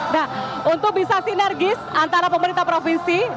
nah untuk bisa sinergis antara pemerintah provinsi